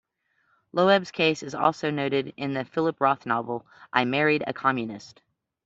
Loeb's case is also noted in the Philip Roth novel, "I Married a Communist".